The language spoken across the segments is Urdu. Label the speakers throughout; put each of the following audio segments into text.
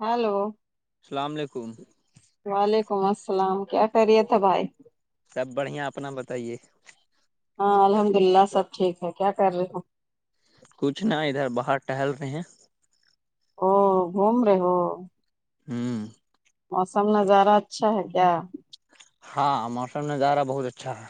Speaker 1: ہلو
Speaker 2: سلام علیکم
Speaker 1: وعلیکم السلام کیا خریت ہے بھائی
Speaker 2: سب بڑھیا اپنا بتائیے
Speaker 1: ہاں الحمد اللہ سب ٹھیک ہے کیا کر رہے ہ
Speaker 2: کچھ نہا ادھر باہر ٹہل رہے ہیں
Speaker 1: او گھوم رہے ہو
Speaker 2: ہوں
Speaker 1: موسم نظارہ اچھا ہے کیا
Speaker 2: ہاں موسم نظارہ بہت اچھا ہے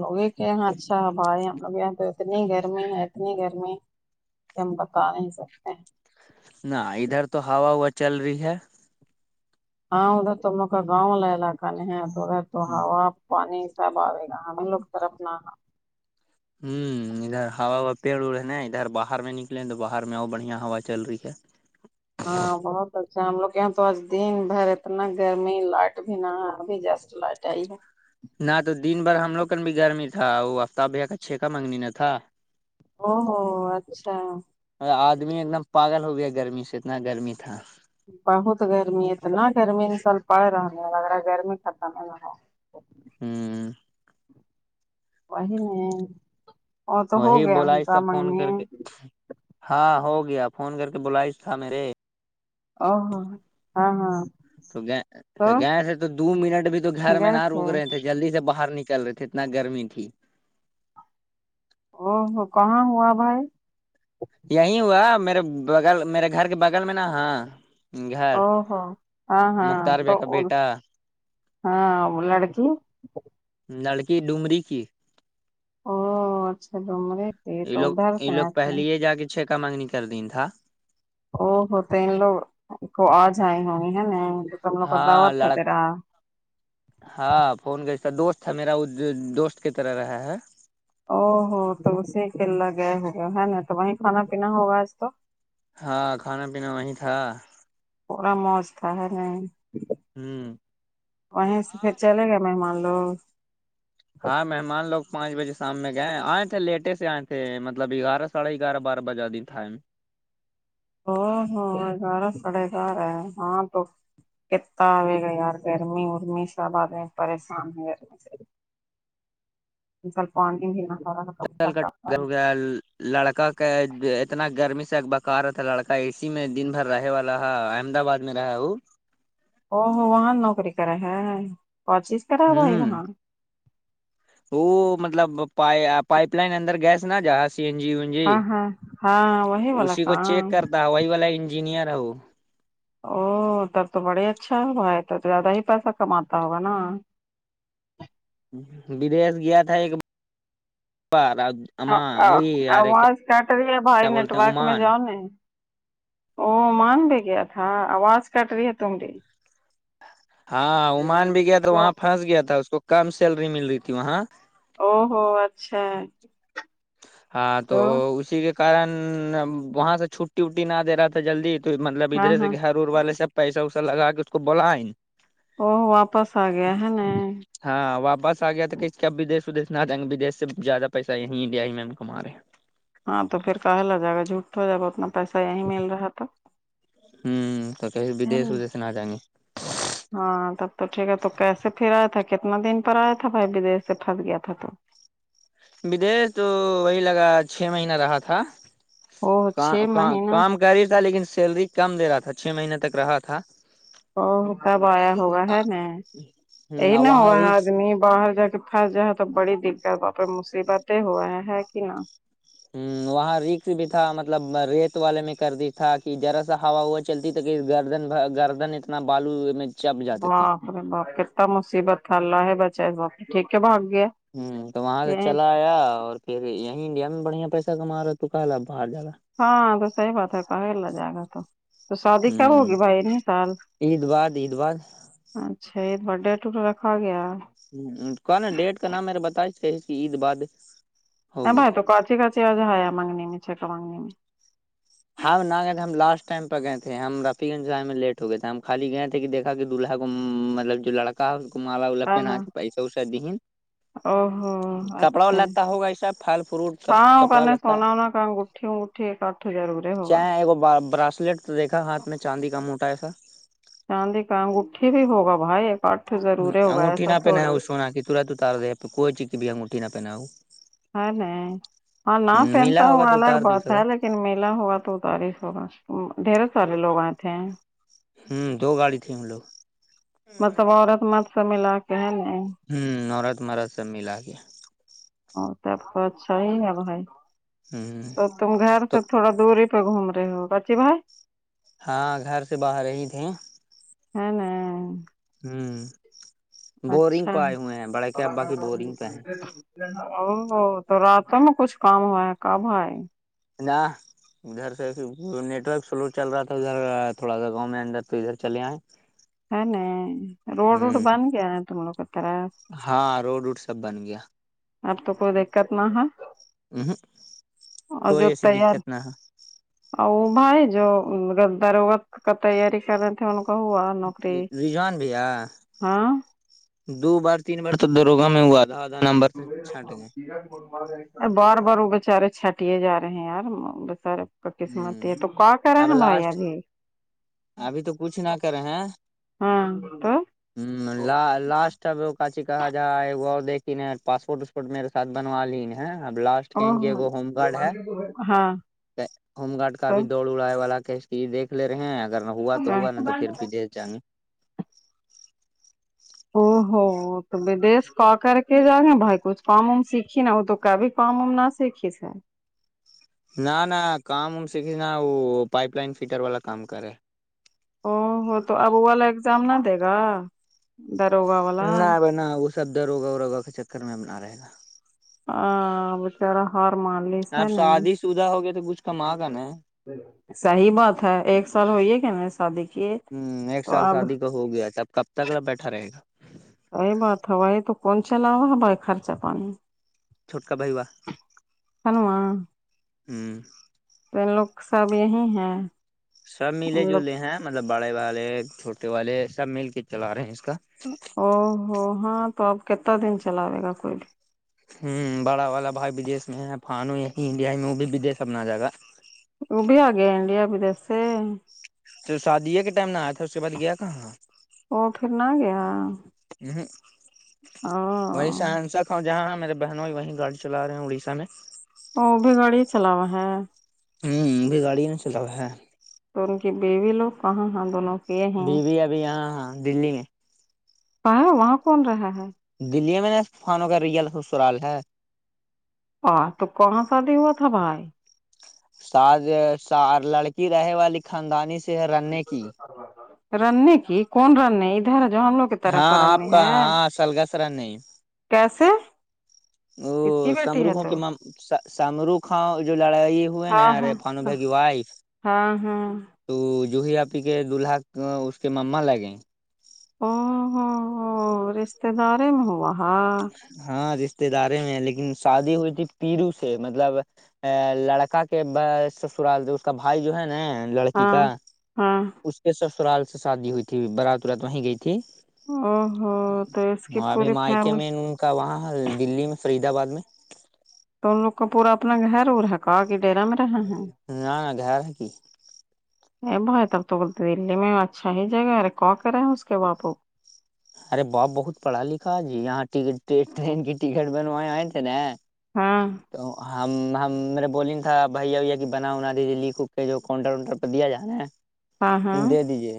Speaker 1: لوگ یہ کہ یہاں اچھا ہوا ہے ہم لو یہاں تو اتنی گرمی ہے اتنی گرمی کہ ہم بتا نہیں سکتے ہیں
Speaker 2: نہ ادھر تو ہوا ہوا چل رہی ہے
Speaker 1: ہاں رہا تو م کاا گاؤ ل علا کا نہیں ہے تو رہا تو ہوا پانی ح سب آے گا ہمیں لوگ طرفنا
Speaker 2: ہوں ادھر ہا وا پیڑ اڑ ہے ن ادھر باہر میں نکلے تو باہر میں ا اور بڑھیا ہوا چل رہی ہے
Speaker 1: ہاں بہت اچھا ہم لوگ یہاں تو آج دن بھر اتنا گرمی لائٹ بھی نہ ابھی جا سک چلٹائی ہے [unintelligible]
Speaker 2: نہ تو دن بھر ہم لوگ کا بھی گرمی تھا وہ ہفتا بھی کا ا چھیکا منگنی نہ تھا
Speaker 1: او ہو اچھا
Speaker 2: آدمی ایک دم پاگل ہو گیا ہے گرمی سے اتنا گرمی تھا
Speaker 1: بہت گرمی ہے اتنا گرمی ان سال پڑ رہا لا گرمی ختم ہی نہ ہو
Speaker 2: ہاں
Speaker 1: وہی نہیں وہ تو ہو
Speaker 2: وہی
Speaker 1: گیا
Speaker 2: بولاس
Speaker 1: انتا
Speaker 2: تھا فون
Speaker 1: مگنی
Speaker 2: کر کے ہاں ہو گیا فون کر کے بلائش تھا میرے
Speaker 1: ا ہ ہاں ہاں
Speaker 2: تو گ تو گئے تھے تو دو منٹ بھی تو گھر میں نہ روک رہے تھے جلدی سے باہر نکل رہے تھے اتنا گرمی تھی
Speaker 1: او ہو کہاں ہوا بھائی
Speaker 2: یہی ہوا میرے بغل میرے گھر کے بغل میں نا ہاں گھر
Speaker 1: او ہو ہاں ہاں
Speaker 2: مختار بھیا
Speaker 1: تو
Speaker 2: کا بیٹا
Speaker 1: ہاں لڑکی
Speaker 2: لڑکی ڈومری کی
Speaker 1: او اچھا ڈومرے تھے
Speaker 2: یہ
Speaker 1: تو
Speaker 2: لوگ
Speaker 1: ادھر
Speaker 2: یہ
Speaker 1: سے
Speaker 2: لوگ
Speaker 1: آئے تھے
Speaker 2: پہلے ہی جا کے چھ کا مانگنی کر دین تھا
Speaker 1: وہ ہوتے ان لوگ کو آ جائےیں ہو ہیں ن
Speaker 2: ہاں لڑک ہاں فون کی دوست ہے میرا وہ دوست کی طرح رہا ہے
Speaker 1: او ہو تو اسی کے لگئے ہو گئے ہے نا تو وہیں کھانا پینا ہوگا آج تو
Speaker 2: ہاں کھانا پینا وہیں تھا
Speaker 1: تھوڑا موج تھا ہے نہیں
Speaker 2: ہوں
Speaker 1: وہیں سے پھر چلے گا مہمان لوگ
Speaker 2: ہاں مہمان لوگ پانچ بجے شام میں گئے آئے تھے لیٹے سے آئے تھے مطلب گگارہ سڑے گگار بار بجا دن تھ تھاائم
Speaker 1: ا ہاں ہزارہ سڑے گار ہے ہاں تو کتتا آ گا یار گرمی رمی سب آ گے پریشان ہے گرمی سے ان سوپ ف دینا
Speaker 2: ل کا گل لڑکا کا اتنا گرمی سے ایک بکار تھا لڑکا اے سی میں دن بھر رہے والا ہ احمدباد [inaudible]
Speaker 1: او ہو وہاں نوکری کرا ہے کوشش کرا بھائی
Speaker 2: ہوں
Speaker 1: وہاں
Speaker 2: وہ مطلب پ پائپ لائن اندر گیس نہ جا [unintelligible] س جی جی
Speaker 1: ہاں ہاں ہاں وہی والا
Speaker 2: اسی کو چیک
Speaker 1: کام
Speaker 2: کرتا ہوائی والا انجینئر ہے وہ
Speaker 1: او تب تو بڑے اچھا ہوگا ہے تو زیادہ ہی پیسہ کماتا ہوگا نا
Speaker 2: بدیش گیا تھا ایکار [unintelligible]
Speaker 1: آواز کٹ رہی ہے بھائی
Speaker 2: بولتے ہیں
Speaker 1: نیٹورک میں
Speaker 2: عمان
Speaker 1: جاؤ نہیں او مان بھی گیا تھا آواز کٹ رہی ہے تم ڈیلی
Speaker 2: ہاں عمان بھی گیا تھا
Speaker 1: تو۔
Speaker 2: وہاں پھنس گیا تھا اس کو کم سیلری مل رہی تھی وہاں
Speaker 1: او ہوو اچھا
Speaker 2: ہاں تو
Speaker 1: او
Speaker 2: اسی کے کارن وہاں سے چھٹی وٹی نہ دے رہا تھا جلدی مطلب
Speaker 1: ہاں
Speaker 2: ادھرے سے
Speaker 1: ہاں
Speaker 2: کہ گھر ار والے سب پیسہ وسا لگا کے اس کو بلائ
Speaker 1: ا واپس آ گیا ہے نا
Speaker 2: ہاں واپس آ گیا تھا کہ اس کے اپ ودش ودش نہ جائیں گے بدی سے زیادہ پیسہ یہیں انڈیا ہی میں ہم کماے ہیں
Speaker 1: ہاں تو پھر کہلا جائے گا جھوٹ ہو جائے گا اتنا پیسہ یہیں مل رہا تھا
Speaker 2: ہوں تو کہ ودش
Speaker 1: نا
Speaker 2: ودیش نہ آ جائیں گے
Speaker 1: ہاں تب تو ٹھیک ہے تو کیسے پھر آیا تھا کتنا دن پر آیا تھا بھائی بدیش سے پھنس گیا تھا تو
Speaker 2: بدش تو وہی لگا چھ مہین رہا تھا
Speaker 1: او چھ مہینہ
Speaker 2: کام گ تھا لیکن سیلری کم دے رہا تھا چھ مہینے تک رہا تھا
Speaker 1: ا تب آیا ہوگا ہے نا یہی
Speaker 2: ہ
Speaker 1: نہ
Speaker 2: وہاں
Speaker 1: ہوا
Speaker 2: رکس
Speaker 1: آدمی باہر جا کے تھس جا تو بڑی دقت ہے باپ مصیبت ہی ہوا ہے کہ نہ
Speaker 2: ہ وہاں رکس بھی تھا مطلب ریت والے میں کر دی تھا کہ ذرا سا ہوا ہوا چلتی تک کہ گردن گردن اتنا بالو چپ جاتے تھے
Speaker 1: وخ بت مصیبت ہے اللہ ہے بچ ہے واق ٹھیک ہے ب آ گیا
Speaker 2: ہوں تو وہاں سے
Speaker 1: یہ
Speaker 2: چلا آیا اور پھر یہیں انڈیا میں بڑیا پیسہ کما تو کہالا باہر جا
Speaker 1: ہاں تو صحی بات ہے کہے ل جائے گا تو تو شادی کیا
Speaker 2: ہ
Speaker 1: ہوگی بھائی سال
Speaker 2: عید باد عید باد
Speaker 1: اچھا یہ ب ڈے ٹٹ رکھا گیا ہے
Speaker 2: ہ کون نا ڈیٹ کا نام میرا بتاائی کہ عید بعد
Speaker 1: ہاں
Speaker 2: ہوگی
Speaker 1: بائی تو کاچ ہی کاچی آج ہے مگنیمی چکا ماگنی میں
Speaker 2: ہاں نا گئے تھ تھا ہم لاسٹ ٹائمہ گئے تھے ہم رفی گنج ج آے میں لیٹ ہو گئےے ہم خالی گئے تھے کہ دیکا کہ دولہا کوطلب جو لڑکا ہے اس کو مالا وا
Speaker 1: ہاں
Speaker 2: پہنا
Speaker 1: ہاں
Speaker 2: کے پیسہ وسا د
Speaker 1: او ہو اچھا
Speaker 2: ہوگا ایسا پھل فروٹ
Speaker 1: ساں ک
Speaker 2: کپڑا لتا
Speaker 1: سونا ونا انگوٹھی انگٹھی کا
Speaker 2: چاہ براسلیٹ تو دیکھا ہاتھ میں چاندی کا موٹا ایسا
Speaker 1: چاندی ک اگوٹھی بھی ہوگا بھائی ک اٹھ ضروری ہوگا ایسا تھوڑے
Speaker 2: ت تو تار رہے کوئی چی کہ بھی انگٹھی نہ پہناؤ
Speaker 1: ہے نہیں ہاں نہ پہنتا
Speaker 2: ملا ہوگا
Speaker 1: ہوا
Speaker 2: تو
Speaker 1: الگ
Speaker 2: اتار دی
Speaker 1: بات
Speaker 2: سکا
Speaker 1: ہے لیکن لیکن میلا ہوا تو اتاریس ہوگا ڈھیر سارے لوگ آئےتے ہیں
Speaker 2: ہوں دو گاڑی تھی ہم لوگ
Speaker 1: مطلب عورت مت سے ملا کے ہے ن
Speaker 2: ہ نورت مرت سب ملا کے
Speaker 1: ا ت پ چھ ہی آب بھائی
Speaker 2: ہ [unintelligible]
Speaker 1: تو تم گھر سے
Speaker 2: تو
Speaker 1: تھوڑا دوری پہ گھوم رہے ہو کاچی بھائی
Speaker 2: ہاں گھر سے باہر ہی تھے
Speaker 1: ہاں نہیں [unintelligible]
Speaker 2: ہوں بورنگ
Speaker 1: اچھا
Speaker 2: پہ آئے
Speaker 1: ہے،
Speaker 2: ہوئے ہیں بڑے کے ابا کی بورنگ پہ ہیں
Speaker 1: او تو راتوں میں کچھ کام ہو ہے کبھائی
Speaker 2: ا ادھر سےھر نیٹ ورک سلو چل رہا تھا ادھر تھوڑا سا گاؤں میں اندر تو ادھر چلے آئے
Speaker 1: ہ نہیں روڈ روڈ
Speaker 2: ہ
Speaker 1: بند گیا ن تم لوگ تراس
Speaker 2: ہاں روڈ ووڈ سب بن گیا
Speaker 1: اب تو کوئی دقت نہ ہے اور
Speaker 2: کوئی
Speaker 1: جو
Speaker 2: ایسی
Speaker 1: تیار
Speaker 2: دقت نہ
Speaker 1: اور ا با ہے جو درغت کا تیاری کر ان کو ہوا نوکری
Speaker 2: ہے رجوان بھیا
Speaker 1: ہاں
Speaker 2: دو بار تین بار تو دروگا میں وہ آدھا آدھا نمبر سے چھنٹ گئے
Speaker 1: بار بار وہ بچارے چھٹیے جا رہے ہیں یار بچارے
Speaker 2: ہ
Speaker 1: قسمتی ہے تو کیا کرا
Speaker 2: اب
Speaker 1: ہیں بھائی
Speaker 2: لاسٹ
Speaker 1: ابھی
Speaker 2: ابھی تو کچھ نہ کرے ہیں
Speaker 1: ہاں تو
Speaker 2: ہ لاسٹ اب کاچی کہا جائے وہ دیک پاسپورٹ میرے ساتھ بنوا لیین ہے اب لاسٹ
Speaker 1: او
Speaker 2: کہ کی ہوم گارڈ ہے
Speaker 1: ہاں
Speaker 2: ہوم گارڈ کا
Speaker 1: تو
Speaker 2: بھی دوڑ اڑائے والا کیش کی یہ دھ لے رہے ہیں اگر ہوا تو ہوا نا تو پھر بھی ج جے
Speaker 1: او ہو تو بدیس کا کر کے جا گے بھائی کچھ کام وم سیکھی نا وہ تو کبھی پامم نہا سیکھے سے
Speaker 2: نہ نہ کام وم سھی نا وہ پائپ لائن فٹر والا کام کرے
Speaker 1: او ہو تو اب والا ایگزام نہ دے گا داروغہ والا
Speaker 2: نہ بنا وہ سب د روگہ و روگا کے چکر میں اپنا رہے گا
Speaker 1: ہ
Speaker 2: آپ سادی شدہ ہوگیا تو کچھ کما کر نا ہے
Speaker 1: صحیح بات ہے ایک سال ہوئیے کہ نہیں ای س دھیے
Speaker 2: ایک
Speaker 1: تو
Speaker 2: سال
Speaker 1: اب
Speaker 2: شادی ہو گیا تھا اب کب تک بیٹھا رہے گا
Speaker 1: صی بات ہو بائی تو کون چلاوا ہے بھائی خرچہ پانی
Speaker 2: چھٹکا پائی و
Speaker 1: کنوا
Speaker 2: ہوں
Speaker 1: تو لوگ سب یہی ہے
Speaker 2: سب ملے
Speaker 1: ان لوگ
Speaker 2: جلے ہیں مطلب بڑے والے چھوٹے والے سب مل کے چلا رہے ہیں اس کا
Speaker 1: او ہوو ہاں تو اب کتنا دن چلاوے گا کوئی بھی
Speaker 2: ہوں بڑا والا بھائی بدی میں ہے پانو یہ انڈیا میں وہ بھی بدیش اپنا جائے گا
Speaker 1: وہ بھی آ گیا انڈیا بدس سے
Speaker 2: تو شادی کے ٹائم ن آیا تھا اس کے بعد گیا کہاں
Speaker 1: وہ پھر نہ گیا
Speaker 2: ہ
Speaker 1: او
Speaker 2: وہی سہنسک ہ جہاں میرے بہنوں ہی وہیں گاڑی چلا رہے ہیں اڑیسہ میں
Speaker 1: ا بھی گاڑی چلاوا ہے
Speaker 2: ہوں ابھی گاڑی نہیں چل رہا ہے
Speaker 1: تو ان کی بیوی لوگ کہاں ہیں دونوں کے ہیں
Speaker 2: بیوی ابھی یہاں ہاں دلی میں
Speaker 1: پا وہاں کون رہا ہے
Speaker 2: دلی میں نا فانوں کا ریئل سسرال ہے
Speaker 1: آ ج تو کونوشادی ہوا تھا بھائی
Speaker 2: س لڑکی رہے والی خاندانی سے ہے رننے کی
Speaker 1: راننے کی کون راننے ادھر جن لوگ کی طرف
Speaker 2: ہاں آپ
Speaker 1: رننے
Speaker 2: کا
Speaker 1: ہے
Speaker 2: ہاں سلگسرا نہیں
Speaker 1: کیسے کس کی
Speaker 2: ا
Speaker 1: بیٹی ہے
Speaker 2: سمروکھوں
Speaker 1: تو
Speaker 2: کے م سمروکھا جو لڑائی ہوئے نا
Speaker 1: ہاں
Speaker 2: ارے
Speaker 1: ہاں
Speaker 2: پانو ب کی وائف
Speaker 1: ہاں ہاں
Speaker 2: تو جوہ آ پی کے دولہاق اس کے مما لگئے
Speaker 1: او رشتے دار میں ہوا
Speaker 2: ہاں رشتے دارے میں لیکن شادی ہوئی تھی پیرو سے مطلب ا لڑکا کے ب سسرال اس کا بھائی جو ہے نا لڑکی
Speaker 1: ہاں
Speaker 2: کا
Speaker 1: ہاں
Speaker 2: اس کے سسرال سے شادی ہوئی تھی برات ورات وہیں گئی تھی
Speaker 1: او ہو تو اس کی
Speaker 2: ابھی
Speaker 1: پوری
Speaker 2: مائکے
Speaker 1: فیملی
Speaker 2: میںین ان کا وہاں دلی میں فرید آباد میں
Speaker 1: تو ان لوگ کا پورا اپنا گھر اور ہکا کے ڈرا میں رہا ہے
Speaker 2: نہ نہ گھر ہے کہ
Speaker 1: ا بھائی تب توول دی میں اچھا ہی جگہ ارے کو کرے اس کے باپو کو
Speaker 2: ارے باپ بہت پڑھا لکھا جی یہاں ٹ ٹرین کی ٹکٹ بنوائےئے تھے نا
Speaker 1: ہاں
Speaker 2: تو ہم ہم میرے بوللی تھا بھیا بھیا کہ بنا ونا دیجے لک کے جو کاؤنٹر ونٹر پہ دیا جانا
Speaker 1: ہاں ہاں
Speaker 2: ہے دے دیجے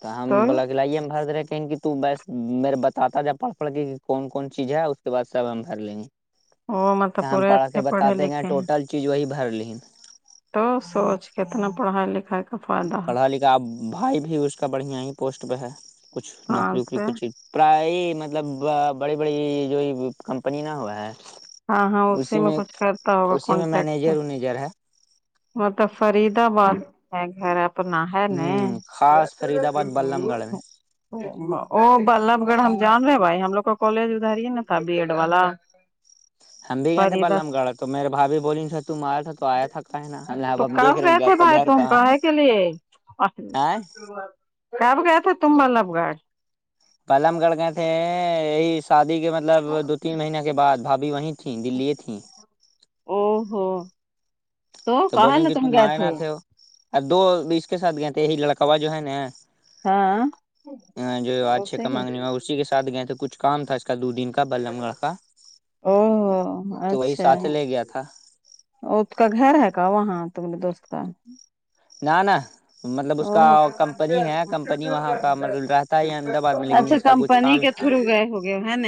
Speaker 2: تو ہم بلا سلائی ہم بھر رہے کہیں کہ تو بس میرے بتاتا جا پڑھ پڑھ کے کہ کون کون چیز ہے اس کے بعد سب ہم بھر لیں گے
Speaker 1: وہ مت
Speaker 2: کہ ہم پڑھ کے بتاتے ہیں ٹوٹل چیز وہی بھر لی
Speaker 1: تو سوچ کے کتنا پڑھائی لکھائی کا فائدہ
Speaker 2: پڑھا لکھا بھائی بھی اس کا بڑھیا ہی پوسٹ پہ ہے کچھ
Speaker 1: ہاں
Speaker 2: نوکری وکری
Speaker 1: تو
Speaker 2: کچھ پرائے مطلب بڑی بڑی جو کمپنی نہ ہوا ہے
Speaker 1: ہاں ہاں
Speaker 2: اسی میں
Speaker 1: کچھ کرتا ہوگا
Speaker 2: اسی میں
Speaker 1: کانٹریکٹ
Speaker 2: مینیجر انیجر ہے
Speaker 1: مطلب فرید آباد ہے گھر آپ تو نہ ہے ن
Speaker 2: ہ خاص فرید آباد بلم گڑھ میں
Speaker 1: وہ بلب گڑھ ہم جان رہے ہیں بھائی ہم لوگ کا کالج ادھر ہی ن تھا بی ایڈ والا [inaudible]
Speaker 2: ہم بھی گئے تھے
Speaker 1: فریدا
Speaker 2: بللم گڑھ تو میرے بھا بھی بولی تو مار تھا تو آیا تھا کہ نا ہم
Speaker 1: تو
Speaker 2: اب اب
Speaker 1: کرب
Speaker 2: دیکھ رہے ہیں
Speaker 1: گئے
Speaker 2: کہ
Speaker 1: تھے
Speaker 2: آپ کا
Speaker 1: بھائی
Speaker 2: گھر
Speaker 1: تم
Speaker 2: کہاں
Speaker 1: کہے کے لیے
Speaker 2: ہے
Speaker 1: کب گیا ا تھا تم بلب گھر
Speaker 2: پلم گڑھ گئے تھے یہی شادی کے مطلب دو تین مہینے کے بد بھابھی وہیں تھیں دلیی تھیں
Speaker 1: او ہو تو کہ ن تم گے تھے
Speaker 2: ا دو اس کے ساتھ گئے تھ یہ لڑکاوا جو ہے نا
Speaker 1: ہاں
Speaker 2: ہاں جو اچھے
Speaker 1: اسے
Speaker 2: کا مانگنی ہوا اسی کے ساتھ گئے تھ کچھ کام تھا آج کل دو دن کا بلم گڑھ کا
Speaker 1: او
Speaker 2: تو وہی
Speaker 1: اچھا
Speaker 2: ساتھ لے گیا تھا
Speaker 1: اس کا گھر ہے کا وہاں تم نے دوست کا
Speaker 2: نہ نہ مطلب اس کا کمپنی ہے کمپنی وہاں کا مطلب رہتا ہی احمد آباد میں لیکن
Speaker 1: اچھا
Speaker 2: اس کا کچھ
Speaker 1: کمپنی
Speaker 2: کام
Speaker 1: کے تو
Speaker 2: تھا
Speaker 1: شرو گئے ہو گئے ہے ن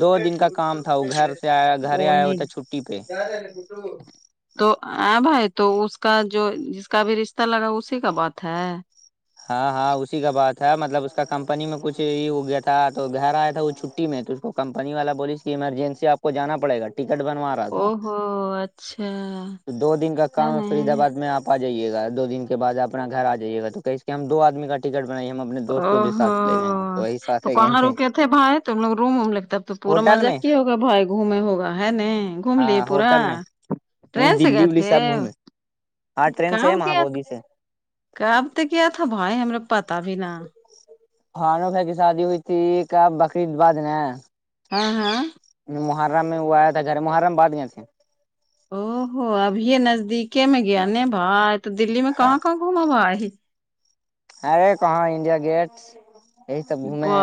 Speaker 2: دو دن کا کام تھا وہ گھر سے آیا گھر
Speaker 1: بول
Speaker 2: آیا
Speaker 1: نہیں
Speaker 2: ہوتا چھٹی پہ
Speaker 1: [inaudible] تو ا بھائی تو اس کا جو جس کا بھی رشتہ لگا اس اس کا بات ہے
Speaker 2: ہاں ہاں اسی کا بات ہے مطلب اس کا کمپنی میں کچھ یہ ہو گیا تھا تو گھر آیا تھا وہ چھٹی میں تو اس کو کپنی والا بولیس کہ ایمرجنسی آپ کو جانا پڑےا ٹکٹ بنوا رہ
Speaker 1: او
Speaker 2: تھا
Speaker 1: ہو اچھا
Speaker 2: تو دو دن کا کام ہے فرید آباد میں آپ آ جائیے گا دو دن کے بعد اپنا گھر آ جائیے گا تو کہس کہ ہم دو آدمی کا ٹکٹ بنائیے ہم اپنے دوست
Speaker 1: او
Speaker 2: کو بھی
Speaker 1: ہ
Speaker 2: ساتھ لے جائیں گے وہی
Speaker 1: تو
Speaker 2: ساتھ گئے
Speaker 1: کہاں رکے تھے بھائی تم لوگ روم ووم لگتے تو پورا
Speaker 2: ہوٹل
Speaker 1: مزہ
Speaker 2: میں
Speaker 1: کیا ہوگا بھائی گھومے ہوگا ہے نہیں گھوم لیے پورا
Speaker 2: ہ
Speaker 1: ٹرین
Speaker 2: دلی
Speaker 1: گئے
Speaker 2: الی سے
Speaker 1: تھے
Speaker 2: آپ گھومیں ہاں ٹرین سے ہے
Speaker 1: کب
Speaker 2: مہ
Speaker 1: گیا
Speaker 2: بودی سے
Speaker 1: کب تو کیا تھا بھائی ہمیں پتا بھی نا
Speaker 2: خانو بھائی کی شادی ہوئی تھی کیا بقرریید بعد ن
Speaker 1: ہاں ہاں
Speaker 2: محرم میں وہ آیا تھا جرے محرمہ بعدیاں تھیں
Speaker 1: او ہو ابھیے نزدیکی میں گیا ن بھای تو دللی میں کہاں کہاں گھوما بھای
Speaker 2: ارے کہاں انڈیا گیٹ یہی سب گھوم
Speaker 1: ب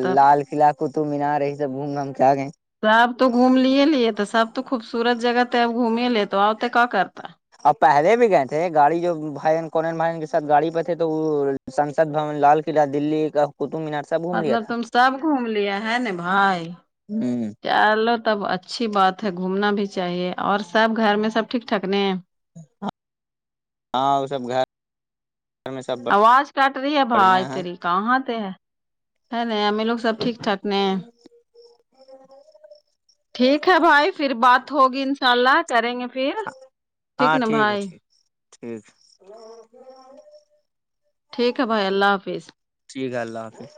Speaker 1: تب
Speaker 2: لال کلاہ قطب م نہ رہی سبھوں گا ہم کیا گئے
Speaker 1: سب تو گھوم لیے لیے ت سب تو خوبصورت جگہ ت اب گھوم لیے تو آتے کیا کرتا
Speaker 2: اب پہلے بھی گئے تھے گاڑی جو بھائی کونین بھائین کے ساتھ گاڑی پہ تھے تو وہ سسد بھون لال قلعہ دللی کا قطب مینار سب گھوم لیا
Speaker 1: مطلب
Speaker 2: تھا
Speaker 1: تم سب گھوم لیا ہے ن بھائی
Speaker 2: ہ
Speaker 1: چلو تب اچھی بات ہے گھومنا بھی چاہیے اور سب گھر میں سب ٹھیک ٹھاک نہیں
Speaker 2: ہ ہاں وہ سب گھر میں سب
Speaker 1: آواز کاٹ رہی ہے بھائی
Speaker 2: بڑھیا ہے
Speaker 1: تری کہاں ہے ہے ن ہمیں لوگ سب ٹھیک ٹھاک اپنے ٹھیک ہے بھائی پھر بات ہوگی ان شاء اللہ کریں گے پھر
Speaker 2: ہاں ہاں
Speaker 1: نا
Speaker 2: ٹھیک ہے
Speaker 1: بھائی
Speaker 2: ٹھیک ٹھیک
Speaker 1: ٹھیک ہے بھائی اللہ حافظ
Speaker 2: ٹھیک ہے اللہ حافظ